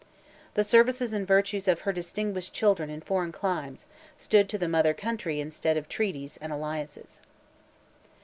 The services and virtues of her distinguished children in foreign climes, stood to the mother country instead of treaties and alliances.